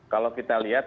kalau kita lihat